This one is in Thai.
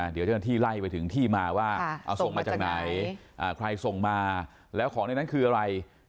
เดี๋ยวเจ้าหน้าที่ไล่ไปถึงที่มาว่าเอาส่งมาจากไหนใครส่งมาแล้วของในนั้นคืออะไร